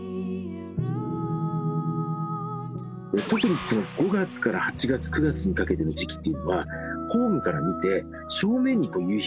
特にこの５月から８月９月にかけての時期っていうのはホームから見て正面に夕日が見られる。